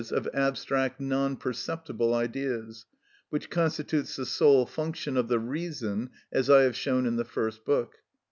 _, of abstract non perceptible ideas, which constitutes the sole function of the reason, as I have shown in the first book.